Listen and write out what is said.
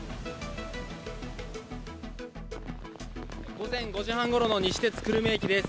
午前５時半ごろの西鉄久留米駅です。